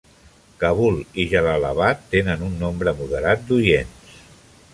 Kabul i Jalalabad tenen un nombre moderat d'oients.